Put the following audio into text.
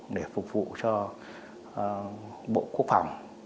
để phục vụ cho bộ quốc phòng